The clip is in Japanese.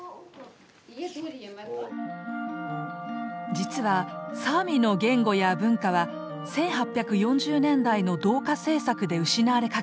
実はサーミの言語や文化は１８４０年代の同化政策で失われかけたんだ。